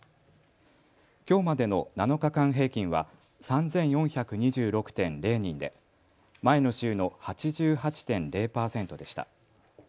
きょうまでの７日間平均は３４２６．０人で前の週の８８．０％でした。